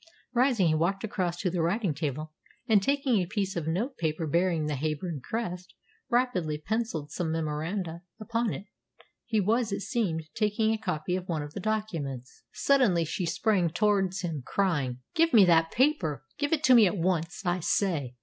Rising, he walked across to the writing table, and taking a piece of note paper bearing the Heyburn crest, rapidly pencilled some memoranda upon it. He was, it seemed, taking a copy of one of the documents. Suddenly she sprang towards him, crying, "Give me that paper! Give it to me at once, I say!